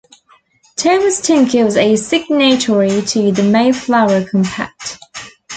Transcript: Thomas Tinker was a signatory to the Mayflower Compact.